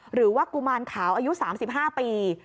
หรือว่ากุมารขาวอายุ๓๕ปี